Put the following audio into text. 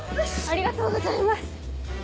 ありがとうございます。